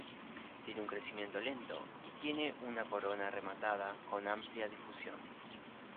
Tiene un crecimiento lento y tiene una corona rematada con amplia difusión.